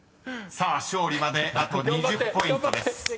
［さあ勝利まであと２０ポイントです］